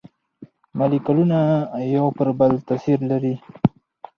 مالیکولونه یو پر بل تاثیر لري.